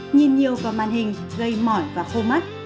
nhìn nhiều vào màn hình gây mỏi và khô mắt